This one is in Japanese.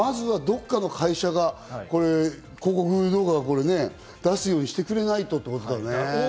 まずはどこかの会社が広告動画を出すようにしてくれないとっていうことだよね。